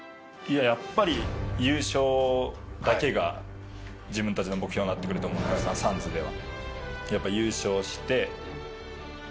やっぱり優勝だけが自分たちの目標になってくると思うんでサンズでは。